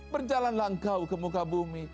berjalanlah engkau ke muka bumi